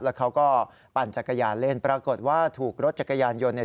แล้วเขาก็ปั่นจักรยานเล่นปรากฏว่าถูกรถจักรยานยนต์เนี่ย